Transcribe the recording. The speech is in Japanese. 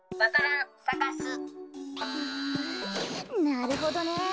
なるほどね。